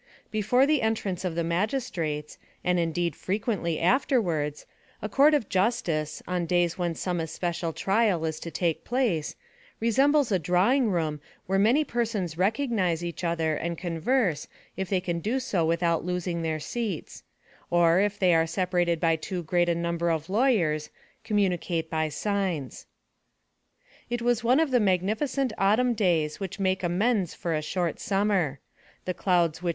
Before the entrance of the magistrates, and indeed frequently afterwards, a court of justice, on days when some especial trial is to take place, resembles a drawing room where many persons recognize each other and converse if they can do so without losing their seats; or, if they are separated by too great a number of lawyers, communicate by signs. It was one of the magnificent autumn days which make amends for a short summer; the clouds which M.